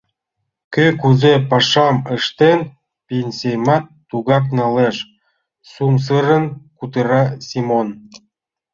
— Кӧ кузе пашам ыштен — пенсийымат тугак налеш, — сӱмсырын кутыра Семон.